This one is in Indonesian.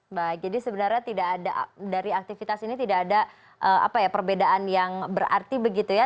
baik jadi sebenarnya tidak ada dari aktivitas ini tidak ada perbedaan yang berarti begitu ya